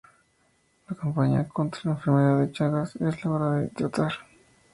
La campaña contra la enfermedad de Chagas: ¡Es la hora de tratar!